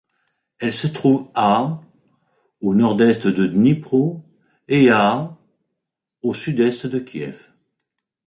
Elle se trouve à au nord-est de Dnipro et à au sud-est de Kiev.